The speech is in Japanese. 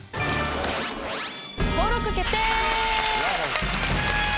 登録決定！